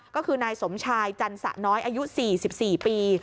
ก็คือนายสมชายจรรสน้อยอศ๔๔ปี